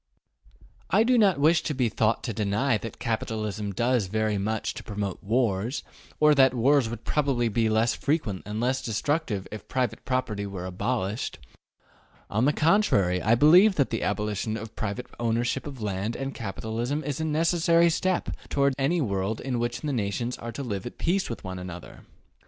I do not wish to be thought to deny that capitalism does very much to promote wars, or that wars would probably be less frequent and less destructive if private property were abolished. On the contrary, I believe that the abolition of private ownership of land and capital is a necessary step toward any world in which the nations are to live at peace with one another.